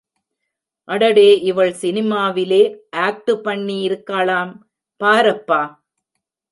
அடடே இவள் சினிமாவிலே ஆக்டுப்பண்ணி இருக்காளாம்... பாரப்பா!